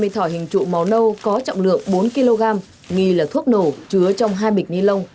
ba mươi thỏi hình trụ màu nâu có trọng lượng bốn kg nghi là thuốc nổ chứa trong hai bịch ni lông